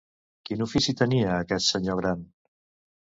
Quin ofici tenia, aquest senyor gran?